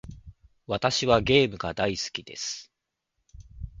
私はゲームが大好きです。